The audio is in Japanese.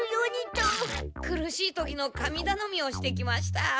苦しい時の神だのみをしてきました。